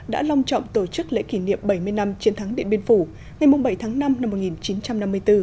đã long trọng tổ chức lễ kỷ niệm bảy mươi năm chiến thắng điện biên phủ ngày bảy tháng năm năm một nghìn chín trăm năm mươi bốn